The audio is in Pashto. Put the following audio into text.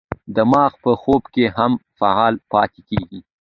دماغ په خوب کې هم فعال پاتې کېږي.